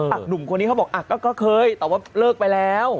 หนุ่มคนนี้เขาบอกอ่ะก็เคยแต่ว่าเลิกไปแล้ว